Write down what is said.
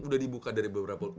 ini udah dibuka dari beberapa tahun